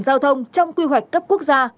giao thông trong quy hoạch cấp quốc gia